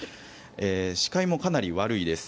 視界もかなり悪いです。